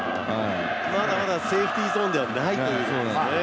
まだまだセーフティーゾーンではないんですね。